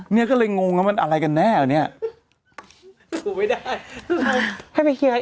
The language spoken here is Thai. เนี่ยก็เลยงงว่ามันอะไรกันแน่อันนี้